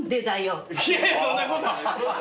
いやそんなこと。